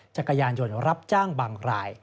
จักรยานยนต์รับจ้างบางราย